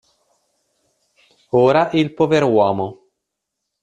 Ora il poveruomo.